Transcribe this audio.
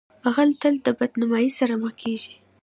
غل تل د بدنامۍ سره مخ کیږي